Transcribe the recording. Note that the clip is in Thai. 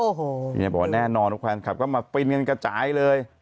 อย่างนี้บอกว่าแน่นอนว่าแฟนคลับก็มาฟรีเงินกระจายเลย